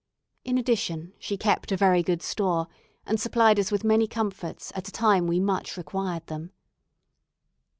In addition, she kept a very good store, and supplied us with many comforts at a time we much required them.